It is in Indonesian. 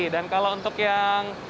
dan kalau untuk yang